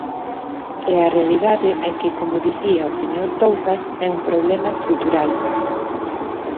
E a realidade é que, como dicía o señor Touzas, é un problema estrutural.